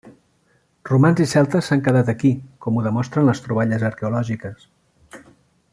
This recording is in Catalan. Romans i celtes s'han quedat aquí, com ho demostren les troballes arqueològiques.